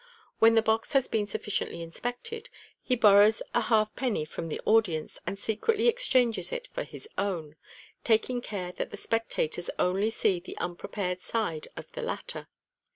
When the box has been sufficiently inspected, he borrows a haK penny from the audience, and secretly exchanges it for his own, taking care that the spectators only see the unprepared side of the latter.